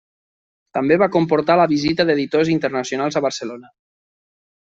També va comportar la visita d'editors internacionals a Barcelona.